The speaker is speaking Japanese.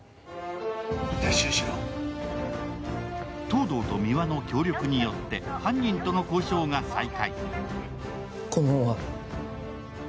東堂と三輪の協力によって犯人との交渉が再開。